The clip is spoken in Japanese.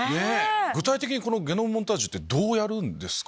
具体的にゲノムモンタージュってどうやるんですか？